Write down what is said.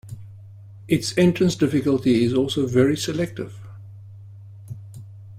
Its entrance difficulty is also very selective.